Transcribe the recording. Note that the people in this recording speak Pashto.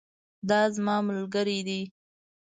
دا زما ملګری دی